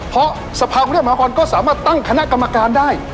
เพราะสภาคมเรียนมหากรก็สามารถตั้งคณะกรรมการได้